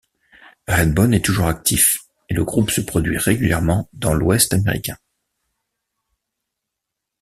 Redbone est toujours actif et le groupe se produit régulièrement dans l'Ouest américain.